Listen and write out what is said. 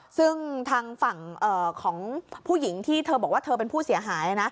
ซึ่งทางฝั่งของผู้หญิงที่เธอบอกว่าเธอเป็นผู้เสียหาย